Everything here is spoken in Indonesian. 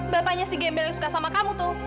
bapaknya si gembel yang suka sama kamu tuh